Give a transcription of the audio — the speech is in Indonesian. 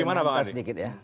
bagaimana pak ardi